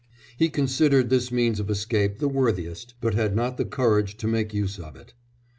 He considered this means of escape the worthiest, but had not the courage to make use of it.